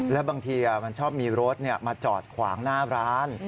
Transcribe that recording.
แล้วบางทีมันชอบมีรถมาจอดขวางหน้าร้าน